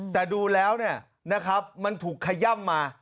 แต่ดูแล้วเนี่ยนะครับมันถูกขย่ำมา